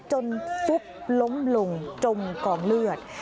จนฟุกล้มลงจมกล่องเลือด